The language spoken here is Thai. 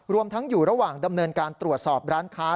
รวมทั้งอยู่ระหว่างดำเนินการตรวจสอบร้านค้า